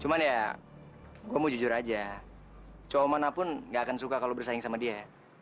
cuma ya gue mau jujur aja cowok manapun gak akan suka kalau bersaing sama dia